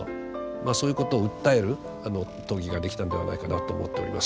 そういうことを訴える討議ができたんではないかなと思っております。